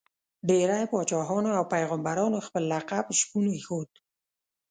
ډېری پاچاهانو او پيغمبرانو خپل لقب شپون ایښود.